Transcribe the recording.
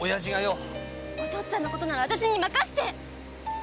お父っつぁんのことなら私にまかせて！